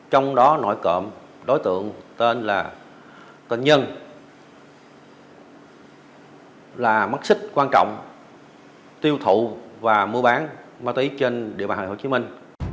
trong đó nổi cộm đối tượng tên là tân nhân là mắt xích quan trọng tiêu thụ và mua bán ma túy trên địa bàn hồ chí minh